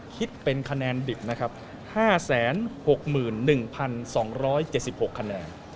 คิดเป็นคะแนนดิบนะครับ๕๖๑๒๗๖คะแนน